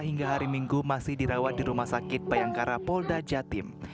hingga hari minggu masih dirawat di rumah sakit bayangkara polda jatim